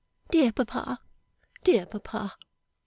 Dear papa, dear papa.